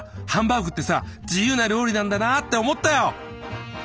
ハンバーグってさ自由な料理なんだなって思ったよ。